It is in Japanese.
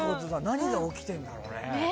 何が起きてるんだろうね。